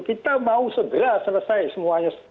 kita mau segera selesai semuanya